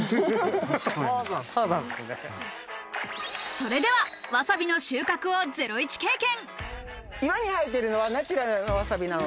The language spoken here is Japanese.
それでは、わさびの収穫をゼロイチ経験！